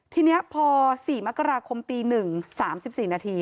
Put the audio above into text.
ทีเนี้ยพอสี่มกราคมตีหนึ่งสามสิบสี่นาที